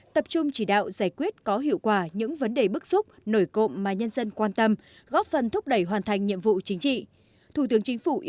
tập trung chỉ đạo giải quyết có hiệu quả những vấn đề bức xúc nổi cộng mà nhân dân quan tâm góp phần thúc đẩy hoàn thành nhiệm vụ chính trị